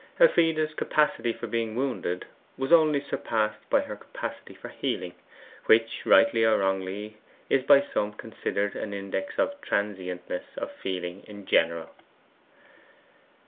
Elfride's capacity for being wounded was only surpassed by her capacity for healing, which rightly or wrongly is by some considered an index of transientness of feeling in general.